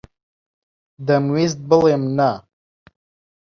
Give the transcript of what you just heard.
دەمویست بڵێم نا.